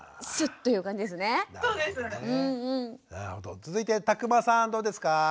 続いて田熊さんどうですか？